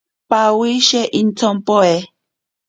Pawishe intsompoe.